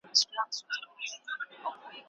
په سبا چي غریبان راغلل بازار ته